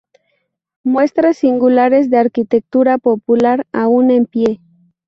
Muestras singulares de arquitectura popular aún en pie.